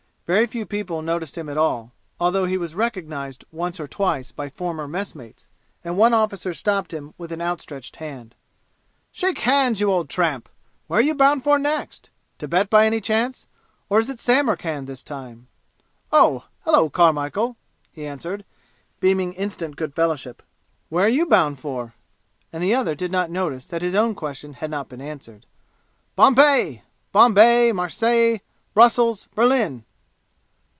Very few people noticed him at all, although he was recognized once or twice by former messmates, and one officer stopped him with an out stretched hand. "Shake hands, you old tramp! Where are you bound for next? Tibet by any chance or is it Samarkand this time?" "Oh, hullo, Carmichel!" he answered, beaming instant good fellowship. "Where are you bound for?" And the other did not notice that his own question had not been answered. "Bombay! Bombay Marseilles Brussels Berlin!"